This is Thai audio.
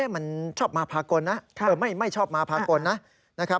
มันชอบมาพากลนะไม่ชอบมาพากลนะ